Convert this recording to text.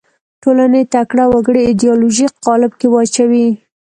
ټولنې تکړه وګړي ایدیالوژیک قالب کې واچوي